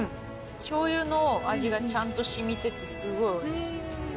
しょうゆの味がちゃんと染みててすごいおいしい。